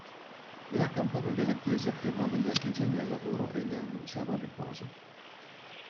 La campana della chiesa chiamava gli artigiani al lavoro e ne annunciava il riposo.